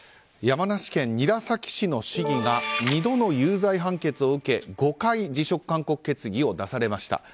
山梨県韮崎市の市議が２度の有罪判決を受け５回辞職勧告決議を出されました。